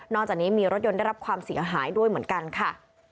จากนี้มีรถยนต์ได้รับความเสียหายด้วยเหมือนกันค่ะ